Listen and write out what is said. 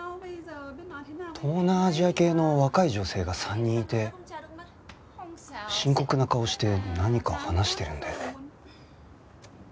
東南アジア系の若い女性が３人いて深刻な顔して何か話してるんだよね。